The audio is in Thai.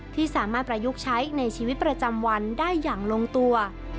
ที่สามารถประยุกต์ใช้ในชีวิตประจำวันได้อย่างลงตัว